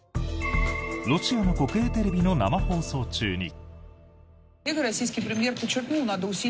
ロシアの国営テレビの生放送中に。